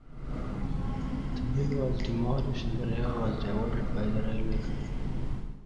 The mill was demolished and the river was diverted by the railway company.